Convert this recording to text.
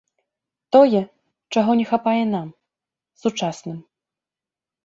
Тое, чаго не хапае нам, сучасным.